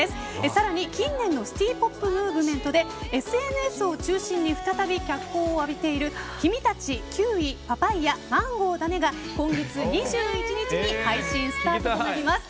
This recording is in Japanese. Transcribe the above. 更に近年のシティーポップムーブメントでＳＮＳを中心に再び脚光を浴びている「君たちキウイ・パパイア・マンゴーだね。」が今月２１日に配信スタートとなります。